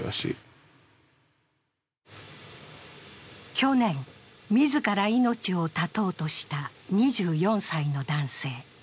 去年、みずから命を絶とうとした２４歳の男性。